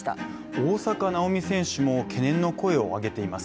大坂なおみ選手も懸念の声を上げています。